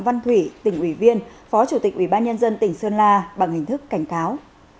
văn thủy tỉnh ủy viên phó chủ tịch ủy ban nhân dân tỉnh sơn la bằng hình thức cảnh cáo